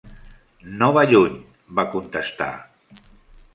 "No va lluny", va contestar.